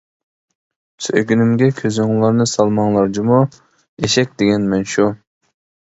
سۆيگۈنۈمگە كۆزۈڭلارنى سالماڭلار جۇمۇ؟ ئېشەك دېگەن مەن شۇ!